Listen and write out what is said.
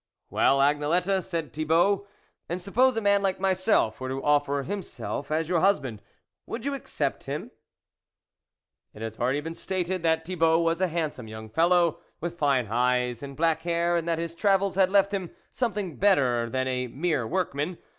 " Well, Agnelette," said Thibault " and suppose a man like myself were to offer himself as your husband, would you accept him ?" It has been already stated that Thi bault was a handsome young fellow, with fine eyes and black hair, and that his travels had left him something better than a mere workman.